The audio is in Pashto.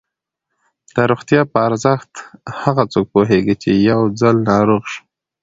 د روغتیا په ارزښت هغه څوک پوهېږي چې یو ځل ناروغ شي.